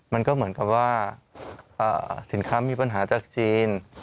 มันก็เหมือนกับว่าสินค้ามีปัญหาจากจีน